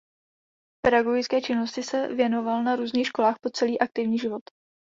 Pedagogické činnosti se věnoval na různých školách po celý aktivní život.